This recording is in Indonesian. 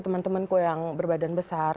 teman temanku yang berbadan besar